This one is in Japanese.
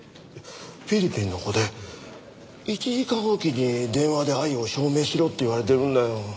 フィリピンの子で１時間おきに電話で愛を証明しろって言われてるんだよ。